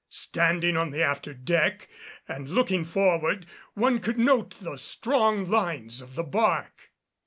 Standing on the after deck and looking forward one could note the strong lines of the barque.